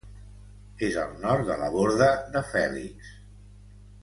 És al nord de la Borda de Fèlix.